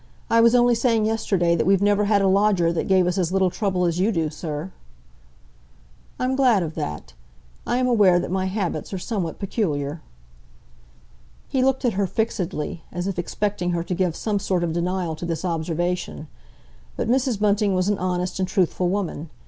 I was only saying yesterday that we've never had a lodger that gave us as little trouble as you do, sir." "I'm glad of that. I am aware that my habits are somewhat peculiar." He looked at her fixedly, as if expecting her to give some sort of denial to this observation. But Mrs. Bunting was an honest and truthful woman.